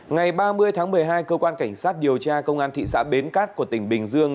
ngày ba mươi tháng một mươi hai cơ quan cảnh sát điều tra công an thị xã bến cát của tỉnh bình dương